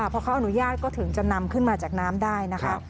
พอเขาอนุญาตก็ถึงจะนำขึ้นมาจากน้ำได้นะคะ